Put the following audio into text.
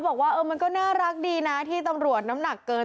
บอกว่ามันก็น่ารักดีนะที่ตำรวจน้ำหนักเกิน